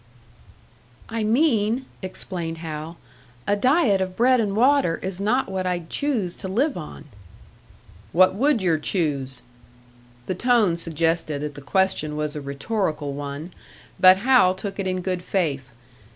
"I mean," explained Hal, "a diet of bread and water is not what I'd choose to live on." "What would yer choose?" The tone suggested that the question was a rhetorical one; but Hal took it in good faith.